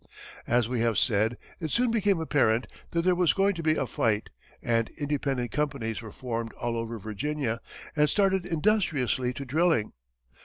As we have said, it soon became apparent that there was going to be a fight, and independent companies were formed all over Virginia, and started industriously to drilling.